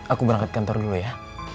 aku berangkat kantor dulu ya